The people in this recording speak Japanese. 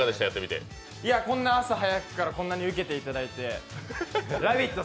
こんな朝早くからこんなにウケていただいて「ラヴィット！」